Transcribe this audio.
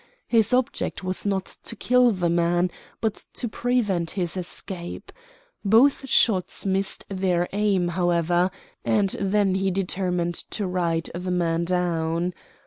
His object was not to kill the man, but to prevent his escape. Both shots missed their aim, however, and then he determined to ride the man down.